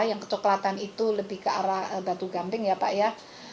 yang kecoklatan itu lebih ke arah batu gamping ya pak ya